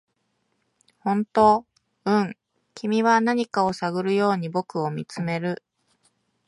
「本当？」「うん」君は何かを探るように僕を見つめる